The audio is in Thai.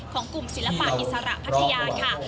ของกลุ่มศิลปะอิสระพัทยาค่ะ